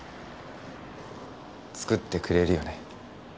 作ってくれるよね？